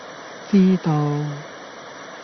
知道